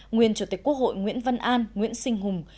nguyên chủ tịch quốc hội nguyễn văn an nguyễn sinh hùng